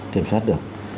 kiểm soát được